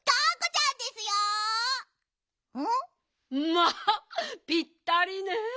まあぴったりねえ。